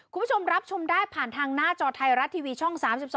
คุณผู้ชมรับชมได้ผ่านทางหน้าจอไทยรัฐทีวีช่อง๓๒